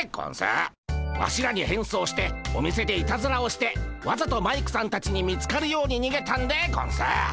ワシらに変装してお店でいたずらをしてわざとマイクさんたちに見つかるようににげたんでゴンス。